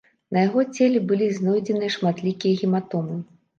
На яго целе былі знойдзеныя шматлікія гематомы.